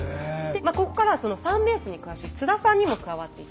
ここからはそのファンベースに詳しい津田さんにも加わって頂きます。